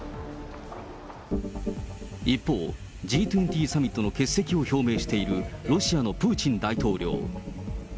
一方、Ｇ２０サミットの欠席を表明しているロシアのプーチン大統領。